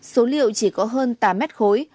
số liệu chỉ có hơn tám mét khối